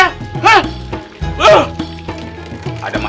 ada masalah pak